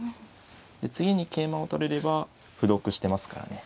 で次に桂馬を取れれば歩得してますからね。